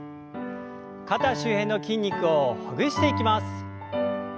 肩周辺の筋肉をほぐしていきます。